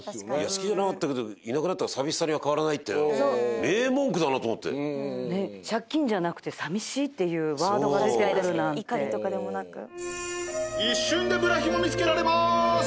好きじゃなかったけどいなくなったら寂しさには変わらないって名文句だなと思って借金じゃなくて寂しいっていうワードが出てくるなんて確かに確かに怒りとかでもなく一瞬でブラひも見つけられまーす